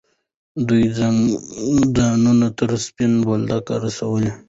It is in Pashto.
دوی ځانونه تر سپین بولدکه رسولي.